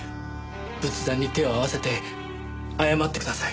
仏壇に手を合わせて謝ってください。